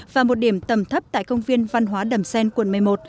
và một điểm tầm thấp tại công viên văn hóa đầm xen quận một mươi một